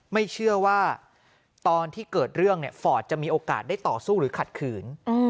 ไม่เชื่อว่าตอนที่เกิดเรื่องฟอร์ดจะมีโอกาสได้ต่อสู้หรือขัดขืน